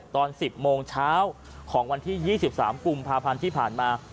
ตอน๑๐โมงเช้าของวันที่๒๓กุมภาพันธ์ที่ผ่านมา